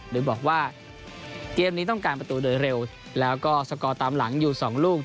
โดยบอกว่าเกมนี้ต้องการประตูโดยเร็วแล้วก็สกอร์ตามหลังอยู่๒ลูก